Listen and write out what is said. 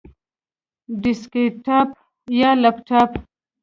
ډیسکټاپ یا لپټاپ؟